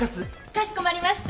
かしこまりました。